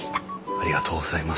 ありがとうございます。